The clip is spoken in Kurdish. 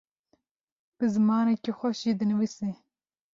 bi zimanekî xweş jî dinivîsî